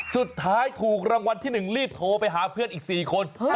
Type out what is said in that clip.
สุดท้ายถูกรางวัลที่๑รีบโทรไปหาเพื่อนอีก๔คน